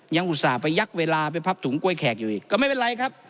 อุตส่าห์ไปยักษ์เวลาไปพับถุงกล้วยแขกอยู่อีกก็ไม่เป็นไรครับ